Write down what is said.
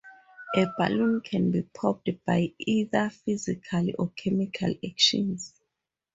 A balloon can be popped by either physical or chemical actions.